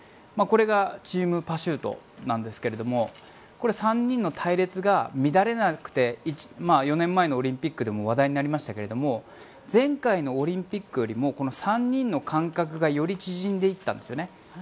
これがチームパシュートなんですが３人の隊列が乱れなくて４年前のオリンピックでも話題になりましたが前回のオリンピックよりも３人の間隔がより縮んでいったんですよね。